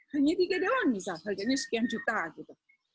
hanya tiga doang misalnya harganya sekian juta gitu